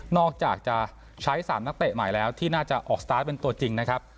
อกจากจะใช้๓นักเตะใหม่แล้วที่น่าจะออกสตาร์ทเป็นตัวจริงนะครับ